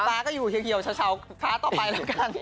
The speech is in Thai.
ฟ้าก็อยู่เหี่ยวเฉาฟ้าต่อไปแล้วกัน